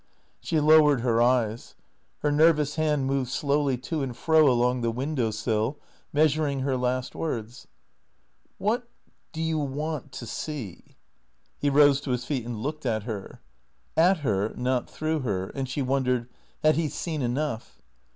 She lowered her eyes. Her nervous hand moved slowly to and fro along the window sill, measuring her next words. " What — do you want — to see ?" He rose to his feet and looked at her. At her, not through her, and she wondered, had he seen enough